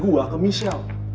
gue udah berubah ke michelle